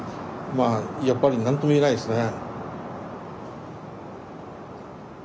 まあやっぱり何とも言えないですね。